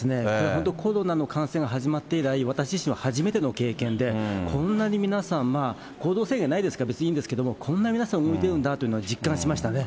本当、コロナの感染が始まって以来、私自身は初めての経験で、こんなに皆さん、まあ、行動制限ないですから別にいいんですけれども、こんなに皆さん、動いているんだというのは実感しましたね。